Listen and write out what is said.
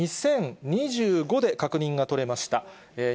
２０２５で確認が取れました。